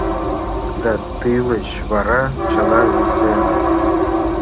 Да, тылеч вара чыла весемын.